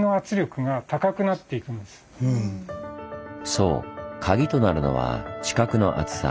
そうカギとなるのは地殻の厚さ。